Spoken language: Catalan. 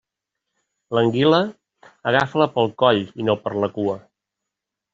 L'anguila, agafa-la pel coll i no per la cua.